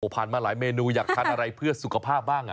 ผ่านมาหลายเมนูอยากทานอะไรเพื่อสุขภาพบ้าง